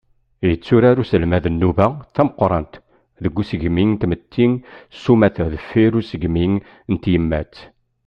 Yetturar uselmad nnuba tameqqṛant deg usegmi n tmetti s umata deffir n usegmi n tyemmat.